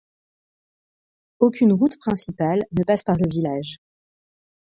Aucune route principale ne passe par le village.